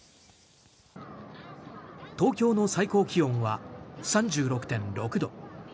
東京の最高気温は３６．６度。